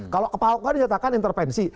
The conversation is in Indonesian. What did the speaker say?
kalau kepahokan dinyatakan intervensi